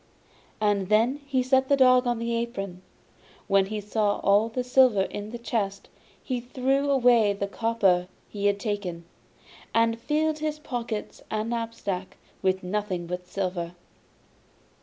And then he set the dog on the apron. When he saw all the silver in the chest, he threw away the copper he had taken, and filled his pockets and knapsack with nothing but silver.